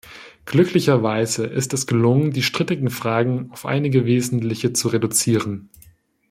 Glücklicherweise ist es gelungen, die strittigen Fragen auf einige wesentliche zu reduzieren.